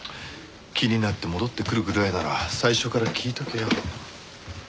気になって戻ってくるぐらいなら最初から聞いとけよ。